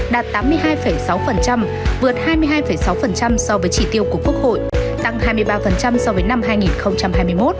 đạt tám mươi hai sáu vượt hai mươi hai sáu so với chỉ tiêu của quốc hội tăng hai mươi ba so với năm hai nghìn hai mươi một